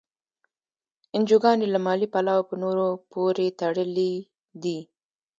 انجوګانې له مالي پلوه په نورو پورې تړلي دي.